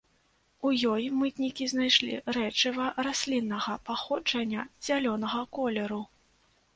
У ёй мытнікі знайшлі рэчыва расліннага паходжання зялёнага колеру.